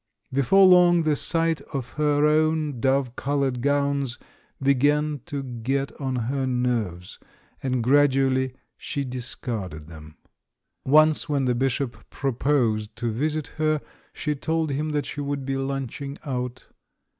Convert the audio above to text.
Before long the sight of her own dove coloured THE BISHOP'S COMEDY 363 gowns began to get on her nerves, and gradually she discarded them. Once, when the Bishop pro posed to visit her, she told him that she would be lunching out.